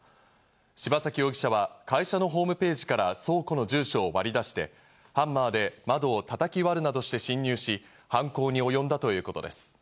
柴崎容疑者は会社のホームページから倉庫の住所を割り出して、ハンマーで窓を叩き割るなどして侵入し、犯行におよんだということです。